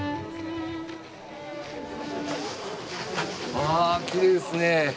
あきれいですね。